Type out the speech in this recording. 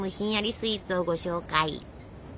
スイーツをご紹介！